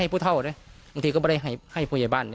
บางทีก็ไม่ได้ให้ผู้ใหญ่บ้าน